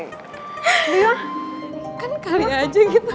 udah ya kan kali aja gitu